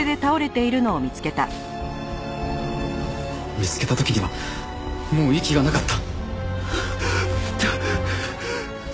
見つけた時にはもう息がなかった。